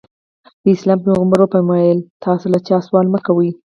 د اسلام پیغمبر وفرمایل تاسې له چا سوال مه کوئ.